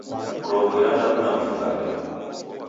Mrongo irandadu na mfungade